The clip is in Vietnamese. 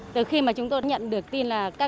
dưới khi mà chúng tôi nhận được tin là